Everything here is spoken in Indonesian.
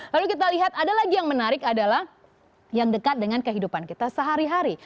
lalu kita lihat ada lagi yang menarik adalah yang dekat dengan kehidupan kita sehari hari